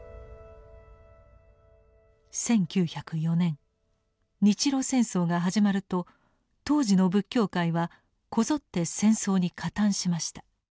１９０４年日露戦争が始まると当時の仏教界はこぞって戦争に加担しました。